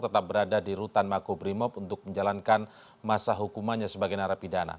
tetap berada di rutan makobrimob untuk menjalankan masa hukumannya sebagai narapidana